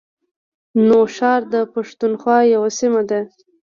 نوښار د پښتونخوا یوه سیمه ده